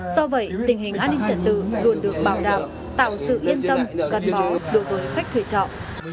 do vậy tình hình an ninh trật tự luôn được bảo đảm tạo sự yên tâm gắn bó đối với khách thuê trọ